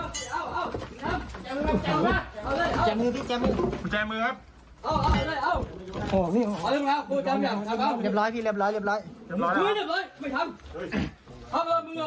ตำรวจบอกยืนสองก่อนด้านหน้า